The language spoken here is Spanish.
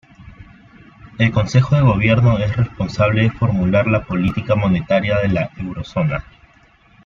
El Consejo de gobierno es responsable de formular la política monetaria de la Eurozona.